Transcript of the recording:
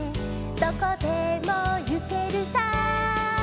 どこでもゆけるさ」